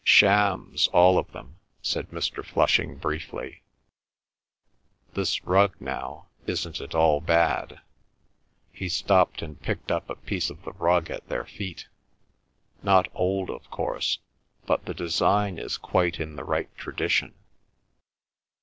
"Shams, all of them," said Mr. Flushing briefly. "This rug, now, isn't at all bad." He stopped and picked up a piece of the rug at their feet. "Not old, of course, but the design is quite in the right tradition.